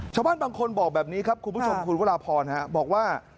ชาวบ้านบางคนบอกแบบนี้ครับคุณผู้ชมคุณวราพรบอกว่า